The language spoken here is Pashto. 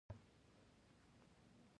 هغه نقطه چې سړک پکې زاویه جوړوي مهم ده